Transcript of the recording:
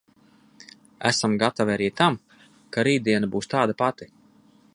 Esam gatavi arī tam, ka rītdiena būs tāda pati.